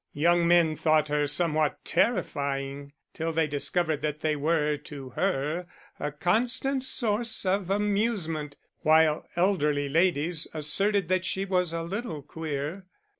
Young men thought her somewhat terrifying till they discovered that they were to her a constant source of amusement; while elderly ladies asserted that she was a little queer.